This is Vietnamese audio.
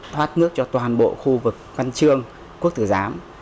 thoát nước cho toàn bộ khu vực văn trương quốc tử giám